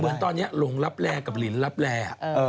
เหมือนตอนเนี่ยโหลงรับแลกับลินรับแล